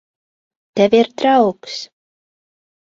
Tev ir draugs.